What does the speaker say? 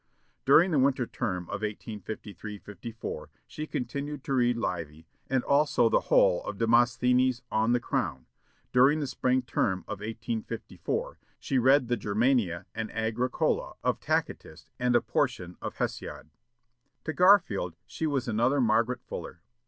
"During the winter term of 1853 54 she continued to read Livy, and also the whole of Demosthenes 'On the Crown.' During the spring term of 1854 she read the 'Germania' and 'Agricola' of Tacitus and a portion of Hesiod." To Garfield she was another Margaret Fuller.